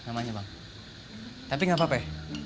tapi enggak apa apa ya